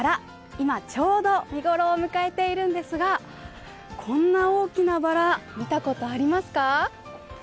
今ちょうど見頃を迎えているんですがこんな大きなバラ、見たことありますか？